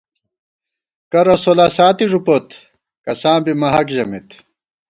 کرہ سولہ ساتی ݫُپوت، کساں بی مَہاک ژَمېت